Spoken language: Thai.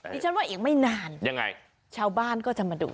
ดิฉันว่าอีกไม่นานยังไงชาวบ้านก็จะมาดู